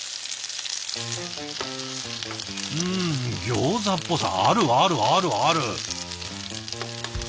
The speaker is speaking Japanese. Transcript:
ギョーザっぽさあるあるあるある！